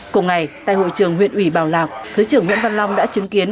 cùng ngày tại hội trường huyện ủy bảo lạc thứ trưởng nguyễn văn long đã chứng kiến